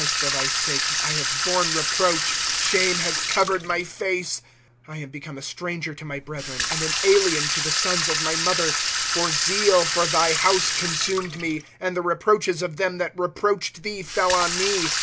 for thy sake I have borne reproach ; Shame lias covered my face. ^ I am become a stranger to my brethren, And an alien to the sons of my mother. ° For zeal for thy house consumed me, And the reproaches of them that reproached thee fell on me.